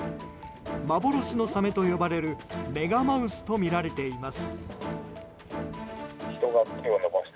幻のサメと呼ばれるメガマウスとみられています。